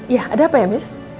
ya ada apa ya mis